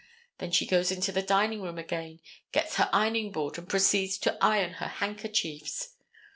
Then she goes into the dining room again, gets her ironing board, and proceeds to iron her handkerchiefs.